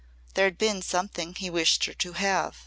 There had been something he wished her to have.